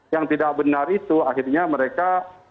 yang tidak benar itu akhirnya mereka